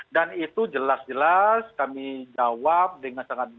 dan itu jelas jelas kami jawab dengan sangat jelas